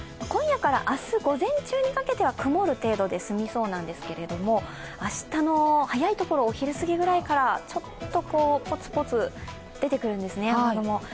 今夜から明日午前中にかけては曇る程度ですみそうですが明日の早いところ、お昼過ぎぐらいからちょっとポツポツ出てくるんですね、雨雲。